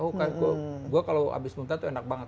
oh kan gue kalau habis muntah tuh enak banget